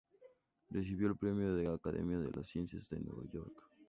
Recibió el premio de Academia de las Ciencias de Nueva York.